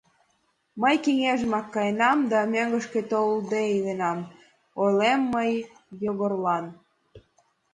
— Мый кеҥежымак каенам да мӧҥгышкем толде иленам, — ойлем мый Йогорлан.